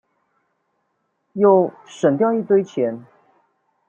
又省掉一堆錢